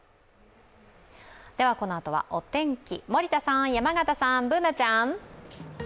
このあとはお天気、森田さん、山形さん、Ｂｏｏｎａちゃん。